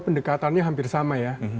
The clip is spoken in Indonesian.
pendekatannya hampir sama ya